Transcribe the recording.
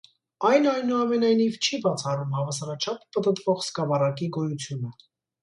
Այն, այնուամենայնիվ, չի բացառում հավասարաչափ պտտվող սկավառակի գոյությունը։